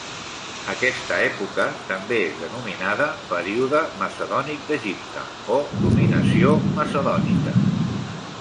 Aquesta època, també és denominada període macedònic d'Egipte o dominació macedònica.